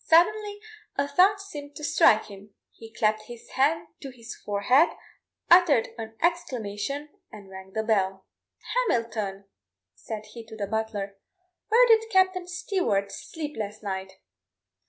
Suddenly a thought seemed to strike him; he clapt his hand to his forehead, uttered an exclamation, and rang the bell. "Hamilton," said he to the butler; "where did Captain Stewart sleep last night?"